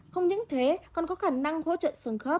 không những thế còn có khả năng hỗ trợ sườn khớp